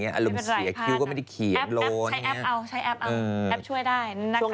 อารมณ์เสียคลิ้วก็ไม่ได้เขี่ยงลวนใช้แอปเอาช่วยได้